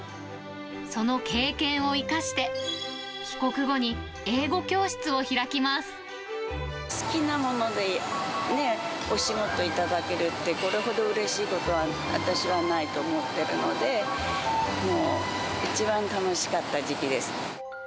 その経験を生かして、好きなものでね、お仕事頂けるって、これほどうれしいことは、私はないと思ってるので、もう、一番楽しかった時期です。